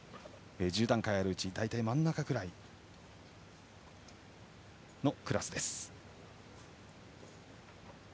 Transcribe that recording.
１０段階あるうち大体真ん中くらいのクラス。